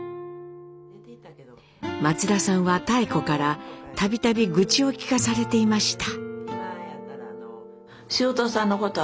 松田さんは妙子から度々愚痴を聞かされていました。